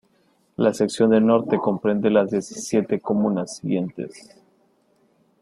La sección de Norte comprende las diecisiete comunas siguientes